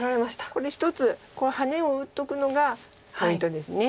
これ１つハネを打っとくのがポイントです。